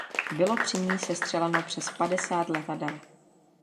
Bylo při ní sestřeleno přes padesát letadel.